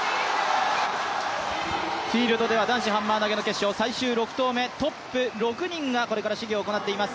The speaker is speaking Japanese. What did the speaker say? フィールドでは男子ハンマー投げ決勝、最終６投目、トップ６人がこれから試技を行っていきます。